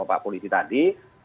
pak polisi tadi